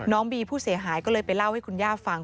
บีผู้เสียหายก็เลยไปเล่าให้คุณย่าฟัง